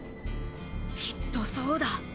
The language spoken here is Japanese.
きっとそうだ！